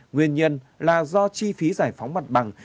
nguyên nhân là do chi phí giải phóng mặt bằng